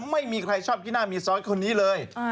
ไม่มีใครชอบกี้หน้ามีซ้อยคนนี้เลย